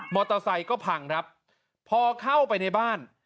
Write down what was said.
อเตอร์ไซค์ก็พังครับพอเข้าไปในบ้าน